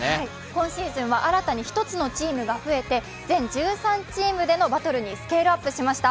今シーズンは新たに一つのチームが増えて全１３チームのバトルになりました。